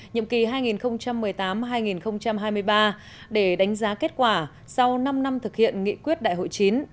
nhiệm kỳ hai nghìn một mươi tám hai nghìn hai mươi ba để đánh giá kết quả sau năm năm thực hiện nghị quyết đại hội chín